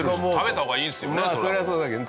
まあそりゃそうだけど。